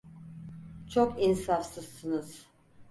Çok insafsızsınız...